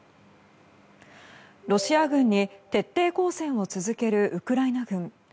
ロシア軍に徹底抗戦を続けるウクライナ軍。